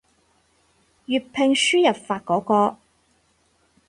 粵拼輸入法嗰個